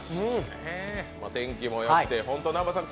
天気もよくて、南波さん